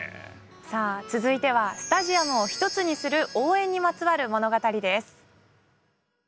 さあ続いてはスタジアムを一つにする応援にまつわる物語です。